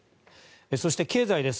そして経済です。